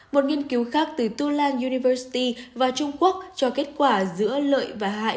một nghiên cứu khác từ tulang university và trung quốc cho kết quả giữa lợi và hại